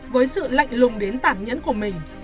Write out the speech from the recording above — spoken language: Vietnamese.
với sự lạnh lùng đến tản nhẫn của mình